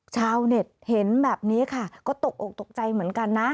ชาวเน็ตเห็นแบบนี้ค่ะก็ตกอกตกใจเหมือนกันนะ